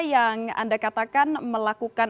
yang anda katakan melakukan